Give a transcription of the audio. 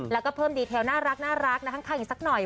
แล้วก็เพิ่มดีเทลน่ารักนะคะข้างอีกสักหน่อย